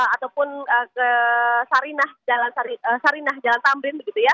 ataupun ke sarinah jalan tamrin